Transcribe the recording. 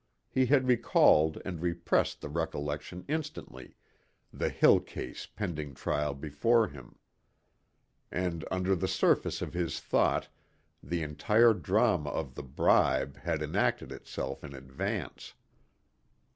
He had recalled and repressed the recollection instantly, the Hill case pending trial before him. And under the surface of his thought the entire drama of the bribe had enacted itself in advance.